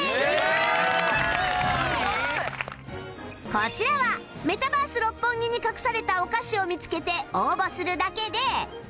こちらはメタバース六本木に隠されたお菓子を見つけて応募するだけで